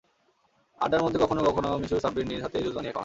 আড্ডার মধ্যে কখনো কখনো মিশু সাব্বির নিজ হাতেই জুস বানিয়ে খাওয়ান।